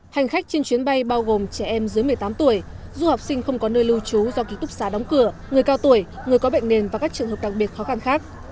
hành khách trên chuyến bay bao gồm trẻ em dưới một mươi tám tuổi du học sinh không có nơi lưu trú do ký túc xá đóng cửa người cao tuổi người có bệnh nền và các trường hợp đặc biệt khó khăn khác